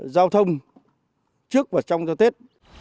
giáo thông trước và trong cho tết